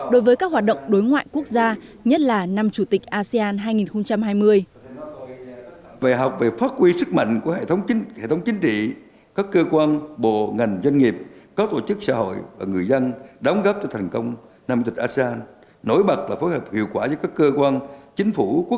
đối với các hoạt động đối ngoại quốc gia nhất là năm chủ tịch asean hai nghìn hai mươi